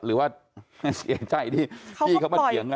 หรือว่าเสียใจที่พี่เขามาเถียงกัน